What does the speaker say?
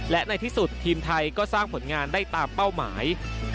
และในที่สุดทีมไทยก็สร้างผลงานได้ตามเป้าหมาย